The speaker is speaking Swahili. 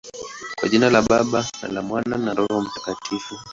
Kwa jina la Baba, na la Mwana, na la Roho Mtakatifu.